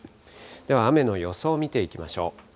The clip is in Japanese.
では雨の予想、見ていきましょう。